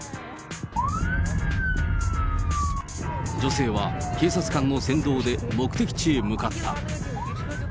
女性は警察官の先導で目的地へ向かった。